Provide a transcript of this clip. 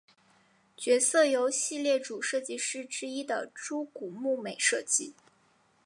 角色由系列主设计师之一的猪股睦美设计。